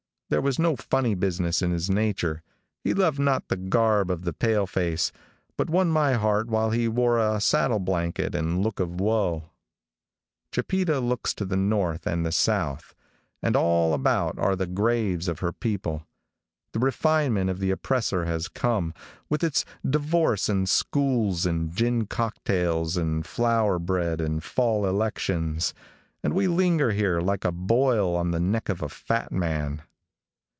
There was no funny business in his nature. He loved not the garb of the pale face, but won my heart while he wore a saddle blanket and a look of woe. Chipeta looks to the north and the south, and all about are the graves of her people. The refinement of the oppressor has come, with its divorce and schools and gin cocktails and flour bread and fall elections, and we linger here like a boil on the neck of a fat man.